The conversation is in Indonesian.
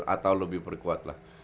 atau lebih berkuat lah